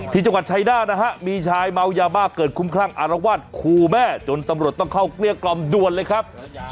ที่จังหวัดชัยหน้านะฮะมีชายเมายาบ้าเกิดคุ้มคลั่งอารวาสคู่แม่จนตำรวจต้องเข้าเกลี้ยกล่อมด่วนเลยครับ